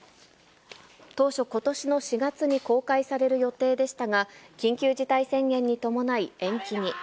当初、ことしの４月に公開される予定でしたが、緊急事態宣言に伴い延期に。